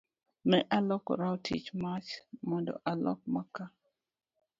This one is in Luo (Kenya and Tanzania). Ne alokora otit mach mondo amok maka.